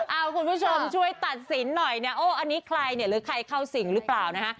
เอาคุณผู้ชมช่วยตัดสินหน่อยนะโอ้อันนี้ใครเนี่ยหรือใครเข้าสิ่งหรือเปล่านะฮะ